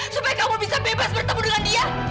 supaya kamu bisa bebas bertemu dengan dia